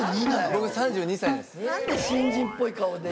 僕３２歳です。